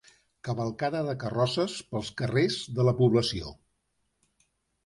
Cavalcada de carrosses pels carrers de la població.